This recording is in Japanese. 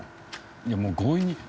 いやもう強引に。